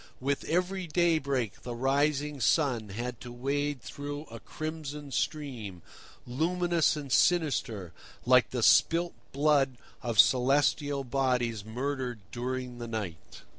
With every daybreak the rising sun had to wade through a crimson stream, luminous and sinister, like the spilt blood of celestial bodies murdered during the night.